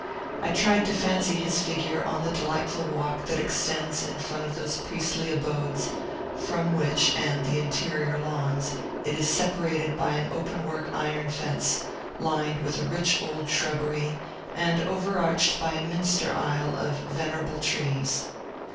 I tried to fancy his figure on the delightful walk that extends in front of those priestly abodes, from which and the interior lawns it is separated by an open work iron fence, lined with rich old shrubbery, and overarched by a minster aisle of venerable trees.